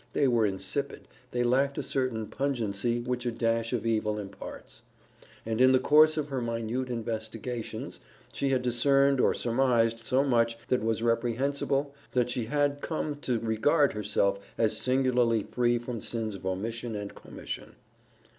They were insipid, they lacked a certain pungency which a dash of evil imparts; and in the course of her minute investigations she had discerned or surmised so much that was reprehensible that she had come to regard herself as singularly free from sins of omission and commission.